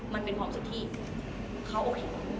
มันเป็นความสุขที่เขาโอเค